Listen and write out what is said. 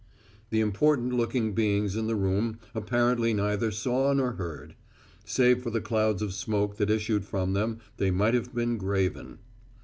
The important looking beings in the room apparently neither saw nor heard. Save for the clouds of smoke that issued from them they might have been graven.